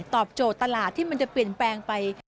ตอบโจทย์ตลาดที่มันจะเปลี่ยนแปลงไป